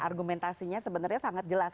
argumentasinya sebenarnya sangat jelas